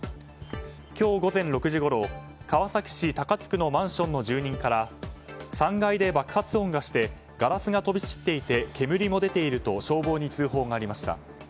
今日午前６時ごろ川崎市高津区のマンションの住人から３階で爆発音がしてガラスが飛び散っていて煙も出ていると消防に通報がありました。